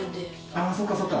ああそっかそっか。